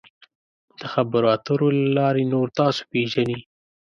د خبرو اترو له لارې نور تاسو پیژني.